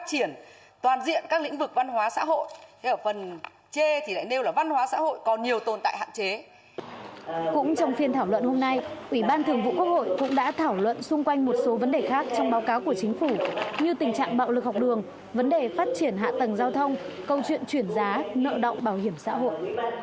trong phiên thảo luận hôm nay ủy ban thường vụ quốc hội cũng đã thảo luận xung quanh một số vấn đề khác trong báo cáo của chính phủ như tình trạng bạo lực học đường vấn đề phát triển hạ tầng giao thông câu chuyện chuyển giá nợ động bảo hiểm xã hội